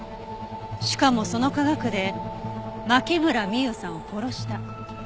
しかもその科学で牧村美優さんを殺した。